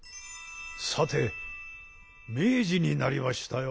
さて明治になりましたよ。